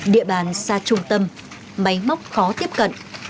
địa bàn xa trung tâm máy móc khóa